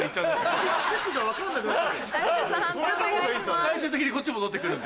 最終的にこっち戻ってくるんで。